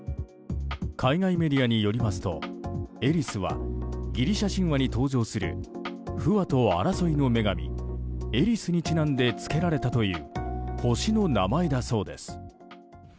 海外メディアによりますとエリスはギリシャ神話に登場する不和と争いの女神エリスにちなんでつけられたという星の名前だそうです。